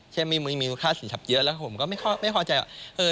ไม่มีค่าสินทรัพย์เยอะแล้วผมก็ไม่พอใจว่า